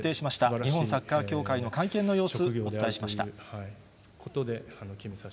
日本サッカー協会の会見の様子、お伝えしました。